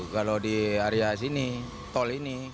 kalau di area sini tol ini